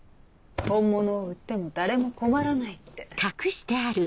本物を売っても誰も困らないって。